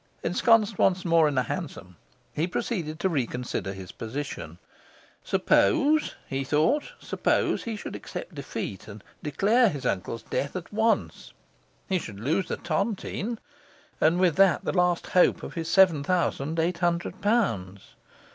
Ensconced once more in a hansom, he proceeded to reconsider his position. Suppose (he thought), suppose he should accept defeat and declare his uncle's death at once? He should lose the tontine, and with that the last hope of his seven thousand eight hundred pounds.